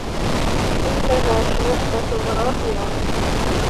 إنّها شابّة رائعة.